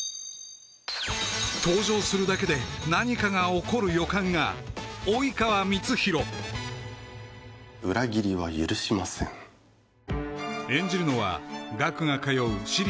登場するだけで何かが起こる予感が裏切りは許しません演じるのは岳が通う私立